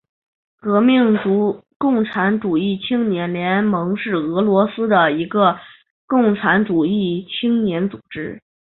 革命共产主义青年联盟是俄罗斯的一个共产主义青年组织。